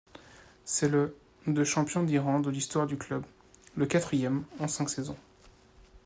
C'est le de champion d'Iran de l'histoire du club, le quatrième en cinq saisons.